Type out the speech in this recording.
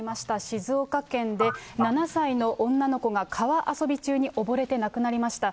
静岡県で７歳の女の子が川遊び中に溺れてなくなりました。